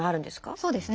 そうですね。